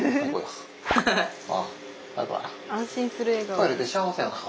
トイレって幸せやなぁ。